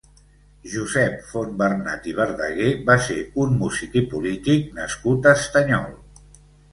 Josep Fontbernat i Verdaguer va ser un músic i polític nascut a Estanyol.